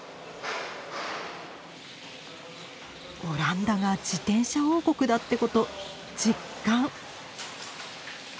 オランダが自転車王国だってこと実感！